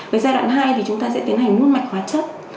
với giai đoạn hai thì chúng ta sẽ tiến hành muôn mạch hóa chất